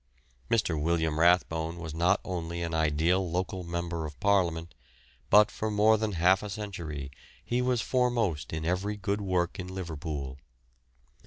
Mr. William Rathbone was not only an ideal local member of Parliament, but for more than half a century he was foremost in every good work in Liverpool.